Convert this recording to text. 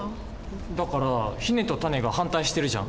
だからヒネとタネが反対してるじゃん。